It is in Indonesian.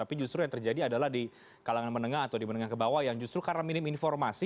tapi justru yang terjadi adalah di kalangan menengah atau di menengah ke bawah yang justru karena minim informasi